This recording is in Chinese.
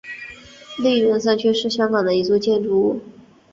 利园三期是香港一座建筑物。